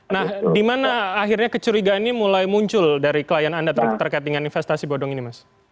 nah di mana akhirnya kecurigaan ini mulai muncul dari klien anda terkait dengan investasi bodong ini mas